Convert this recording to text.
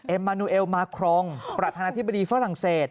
มานูเอลมาครองประธานาธิบดีฝรั่งเศส